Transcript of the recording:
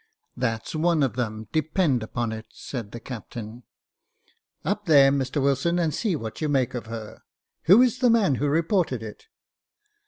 " That's one of them, depend upon it," said the captain. *'Up there, Mr Wilson, and see what you make of her. Who is the man who reported it